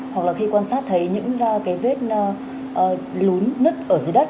hoặc là khi quan sát thấy những cái vết lún nứt ở dưới đất